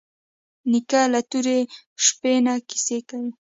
نیکه له تورې شپې نه کیسې کوي.